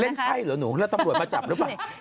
ไพ่เหรอหนูแล้วตำรวจมาจับหรือเปล่า